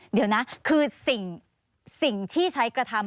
เดี๋ยวนะคือสิ่งที่ใช้กระทำ